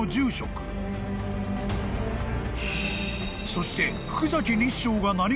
［そして］